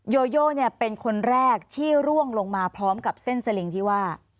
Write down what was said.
โยโยเป็นคนแรกที่ร่วงลงมาพร้อมกับเส้นสลิงที่ว่า